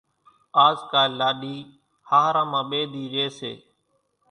آز ڪالِ لاڏِي ۿاۿران مان ٻيَ ۮِي ريئيَ سي۔